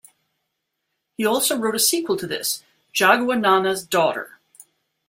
He also wrote a sequel to this, "Jagua Nana's Daughter".